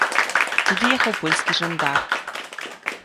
Туды ехаў польскі жандар.